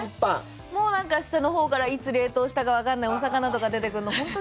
もうなんか下のほうからいつ冷凍したかわかんないお魚とか出てくるの本当